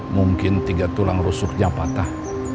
mungkin tiga tulang rusuknya patah